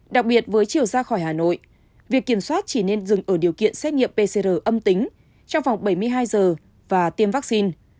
đặc biệt với chiều ra khỏi hà nội việc kiểm soát chỉ nên dừng ở điều kiện xét nghiệm pcr âm tính trong vòng bảy mươi hai giờ và tiêm vaccine